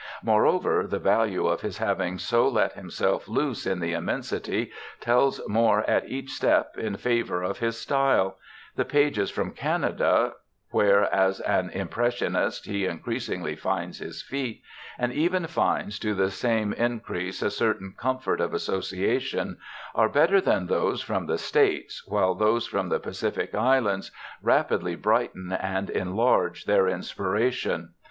Moreover, the value of his having so let himself loose in the immensity tells more at each step in favour of his style; the pages from Canada, where as an impressionist, he increasingly finds his feet, and even finds to the same increase a certain comfort of association, are better than those from the States, while those from the Pacific Islands rapidly brighten and enlarge their inspiration.